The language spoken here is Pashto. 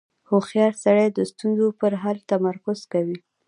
• هوښیار سړی د ستونزو پر حل تمرکز کوي.